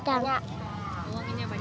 oh anginnya banyak